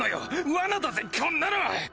ワナだぜこんなの！